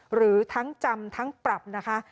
หรือทั้งจำทั้งปรับนะคะ